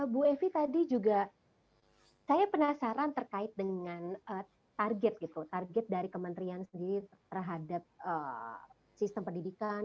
bu evi tadi juga saya penasaran terkait dengan target dari kementerian terhadap sistem pendidikan